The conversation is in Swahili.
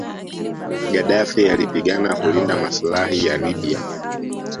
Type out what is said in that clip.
Gadaffi alipigana kulinda maslahi ya Libya